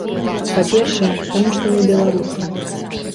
Па першае, таму што мы беларусы.